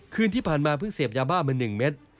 คืนที่ผ่านมาเพิ่งเสพยาบ้าเป็นหนึ่งเม็ด